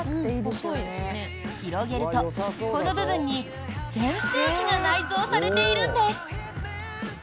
広げると、この部分に扇風機が内蔵されているんです。